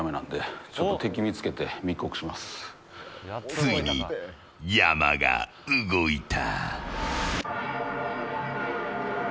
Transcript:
ついに山が動いた。